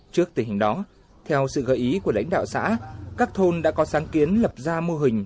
trước tình hình đó theo sự gợi ý của lãnh đạo xã các thôn đã có sáng kiến lập ra mô hình